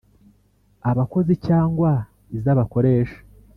Abakozi cyangwa iz’abakoresha